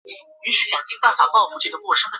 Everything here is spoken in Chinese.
福建乡试第四十八名。